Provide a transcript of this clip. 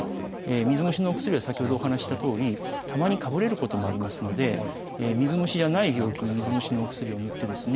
水虫のお薬は先ほどお話ししたとおりたまにかぶれることもありますので水虫じゃない病気に水虫のお薬をぬってですね